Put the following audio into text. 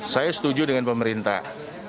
saya setuju dengan pemerintah